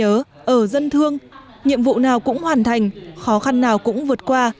khó khăn nào cũng vượt qua nhiệm vụ nào cũng hoàn thành khó khăn nào cũng vượt qua nhiệm vụ nào cũng hoàn thành khó khăn nào cũng vượt qua